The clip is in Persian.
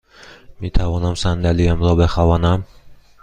می توانم صندلی ام را بخوابانم؟